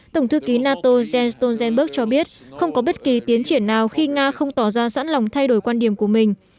tổng thư ký nato jens stoltenberg cho biết không có bất kỳ tiến triển nào khi nga không tỏ ra sẵn lòng thay đổi quan điểm của mình